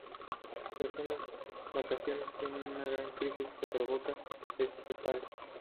Tras unas vacaciones tiene una gran crisis lo que provoca que se separen.